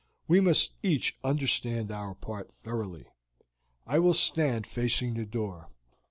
We must each understand our part thoroughly. I will stand facing the door.